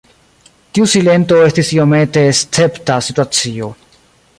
Tiu silento estis iomete escepta situacio.